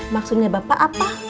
maksudnya bapak apa